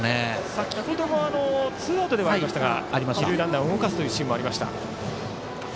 先程ツーアウトではありましたが二塁ランナーを動かすシーンもありました。